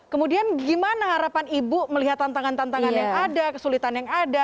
kemudian gimana harapan ibu melihat tantangan tantangan yang ada kesulitan yang ada